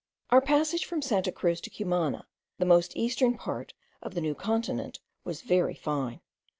Our passage from Santa Cruz to Cumana, the most eastern part of the New Continent, was very fine.